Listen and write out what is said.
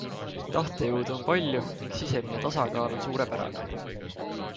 Tahtejõudu on palju ning sisemine tasakaal on suurepärane.